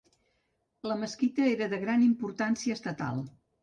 La mesquita era de gran importància estatal.